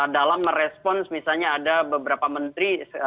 dalam merespons misalnya ada beberapa menteri